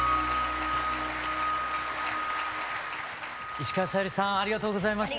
石川さゆりさんありがとうございました。